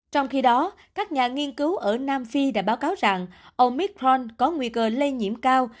trong khi đó các nhà nghiên cứu ở nam phi đã báo cáo rằng omit pront có nguy cơ lây nhiễm cao